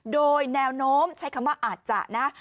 โดยแนวโน้มใช้คำว่าอาจจะนะ